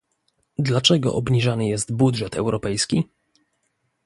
Dlaczego obniżany jest budżet europejski?